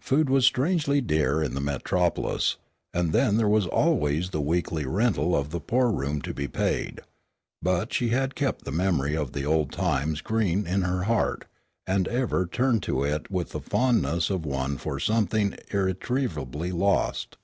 Food was strangely dear in the Metropolis, and then there was always the weekly rental of the poor room to be paid. But she had kept the memory of the old times green in her heart, and ever turned to it with the fondness of one for something irretrievably lost.